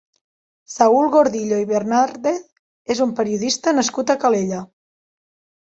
Saül Gordillo i Bernàrdez és un periodista nascut a Calella.